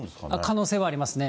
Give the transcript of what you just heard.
可能性はありますね。